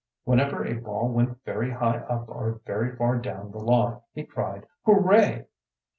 Whenever a ball went very high up or very far down the lot, he cried, "Hooray!"